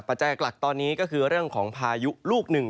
จัยหลักตอนนี้ก็คือเรื่องของพายุลูกหนึ่ง